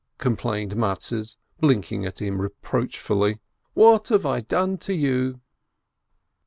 complained Mattes, blinking at him reproachfully. "What have I done to you?"